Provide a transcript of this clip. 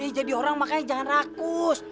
jadi orang makanya jangan rakus